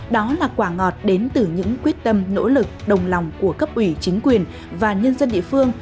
đó là quả ngọt đến từ những quyết tâm nỗ lực đồng lòng của cấp ủy chính quyền và nhân dân địa phương